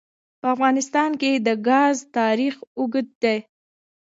په افغانستان کې د ګاز تاریخ اوږد دی.